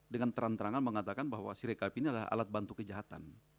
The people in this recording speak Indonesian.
dengan terang terangan mengatakan bahwa sirekap ini adalah alat bantu kejahatan